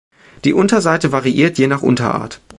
Die Unterseite variiert je nach Unterart.